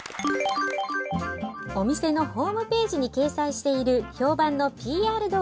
お店のホームページに掲載している評判のＰＲ動画。